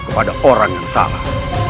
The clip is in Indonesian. kepada orang yang salah